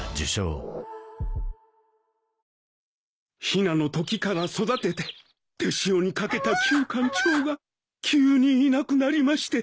ひなのときから育てて手塩にかけたキュウカンチョウが急にいなくなりまして。